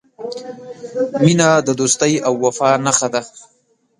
• مینه د دوستۍ او وفا نښه ده.